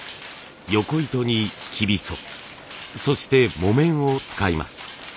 横糸に生皮苧そして木綿を使います。